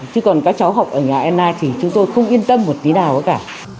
chứ còn các cháu học ở nhà n i thì chúng tôi không yên tâm một tí nào hết cả